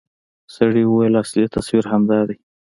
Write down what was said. سړي وويل اصلي تصوير همدا دى.